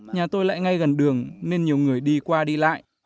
nhà tôi lại ngay gần đường nên nhiều người đi qua đi lại